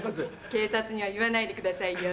警察には言わないでくださいよ！